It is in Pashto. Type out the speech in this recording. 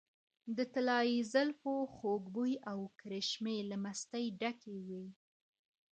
د طلايي زلفو خوږ بوي او کرشمې له مستۍ ډکې وې .